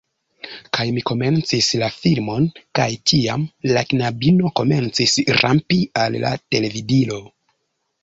Kaj mi komencis la filmon, kaj tiam, la knabino komencis rampi al la televidilo.